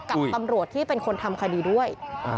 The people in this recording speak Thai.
กับตำรวจที่เป็นคนทำคดีด้วย